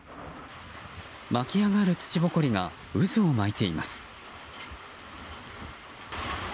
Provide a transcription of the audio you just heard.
巻き上がる土ぼこりが渦を巻いています。